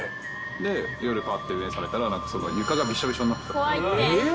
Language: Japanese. で、夜、ぱって目が覚めたら、床がびしょびしょになっていた。